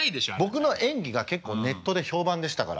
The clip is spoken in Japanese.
僕の演技が結構ネットで評判でしたから。